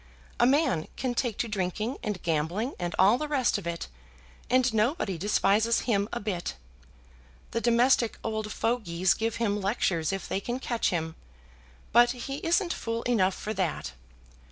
A man can take to drinking, and gambling and all the rest of it, and nobody despises him a bit. The domestic old fogies give him lectures if they can catch him, but he isn't fool enough for that.